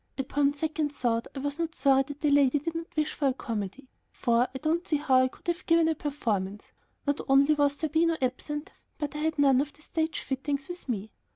Upon second thought, I was not sorry that the lady did not wish for a comedy, for I don't see how I could have given a performance; not only was Zerbino absent, but I had none of the "stage fittings" with me.